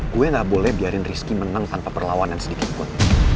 gue gak boleh biarin rizky menang tanpa perlawanan sedikit pun